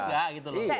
juga gitu loh